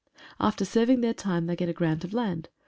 After serving their time they get a grant of land.